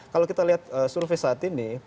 kalau kita lihat survei saat ini